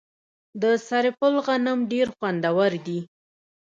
د سرپل غنم ډیر خوندور دي.